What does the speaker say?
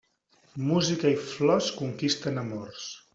Música i flors conquisten amors.